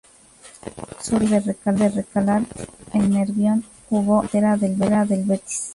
Soriano, antes de recalar en Nervión, jugó en la cantera del Betis.